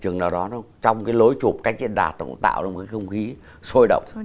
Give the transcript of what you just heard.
chừng nào đó nó trong cái lối chụp cách điện đạt nó cũng tạo ra một cái không khí sôi động